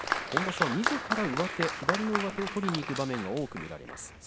今場所はみずから左の上手を取りにいく場面が多く見られます。